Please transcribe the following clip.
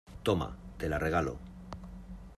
toma, te la regalo.